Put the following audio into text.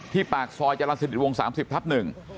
ที่ปากซอยจรัสดิตวงสามสิบทับหนึ่ง